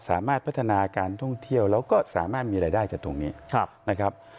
สามารถพัฒนาการท่องเที่ยวแล้วก็สามารถมีรายได้จากตรงนี้นะครับ